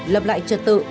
lập lại trật tự